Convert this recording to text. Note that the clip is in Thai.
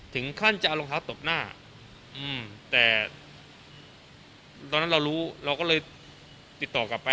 ถึงขั้นจะเอารองเท้าตบหน้าแต่ตอนนั้นเรารู้เราก็เลยติดต่อกลับไป